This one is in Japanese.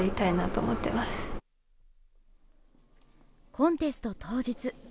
コンテスト当日。